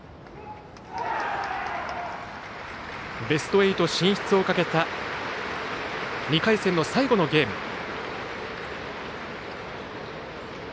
ベスト８進出をかけた２回戦の最後のゲーム。